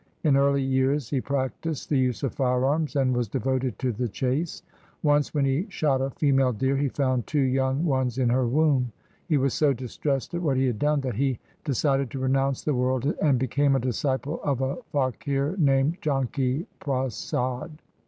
In early years he practised the use of firearms and was devoted to the chase. Once when he shot a female deer he found two young ones in her womb. He was so distressed at what he had done, that he decided to renounce the world and became a disciple of a faqir named Janki Prasad.